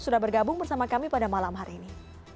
sudah bergabung bersama kami pada malam hari ini